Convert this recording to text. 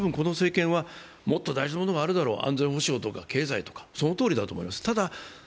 多分この政権は、もっと大事なものがあるだろう、安全保障とか経済とか、そのとおりだと思います。